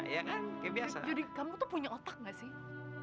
jadi kamu tuh punya otak gak sih